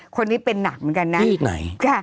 คนนี้เป็นหนักเหมือนกันนะ